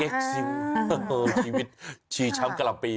เก๊กซิมชีวิตชีช้ำกะหล่ำปี